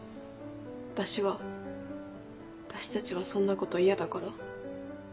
私は私たちはそんなこと嫌だから。